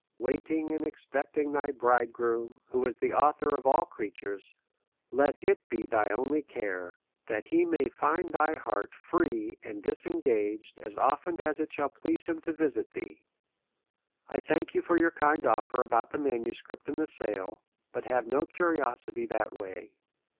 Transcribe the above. Waiting and expecting thy Bridegroom, who is the author of all creatures, let it be thy only care, that he may find thy heart free and disengaged as of ten as it shall please him to visit thee." I thank you for your kind offer about the manuscript in the sale, but have no curiosity that way.